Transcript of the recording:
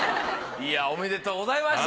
いやおめでとうございました。